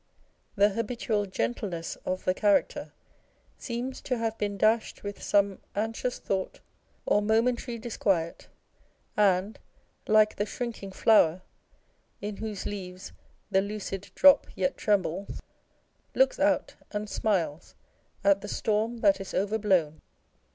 The habitual gentleness of the character seems to have been dashed with some anxious thought or momentary disquiet, and, like the shrinking flower, in whose leaves the lucid drop yet trembles, looks out and smiles at the storm that is overblown.